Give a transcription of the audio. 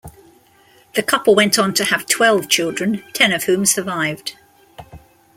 The couple went on to have twelve children, ten of whom survived.